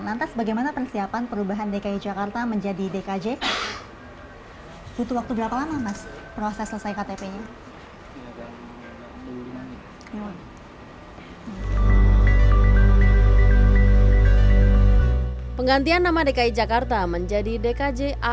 lantas bagaimana persiapan perubahan dki jakarta menjadi dkj